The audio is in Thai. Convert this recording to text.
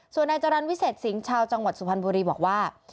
ส่วนนายจรรย์วิเศษสิงห์ชาวจังหวัดสุพรรณบุรีบอกว่า